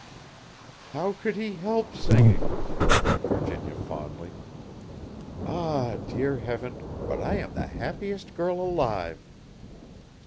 "How could he help singing," murmured Virginia, fondly. "Ah, dear Heaven, but I am the happiest girl alive!"